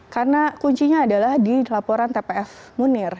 karena kuncinya adalah di laporan tpf munir